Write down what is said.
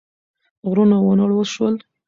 غرونه ونړول شول.